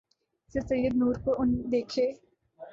سے سید نور کو ان دیکھے